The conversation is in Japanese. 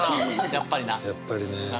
やっぱりな。